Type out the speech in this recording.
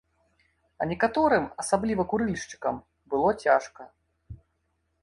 А некаторым, асабліва курыльшчыкам, было цяжка.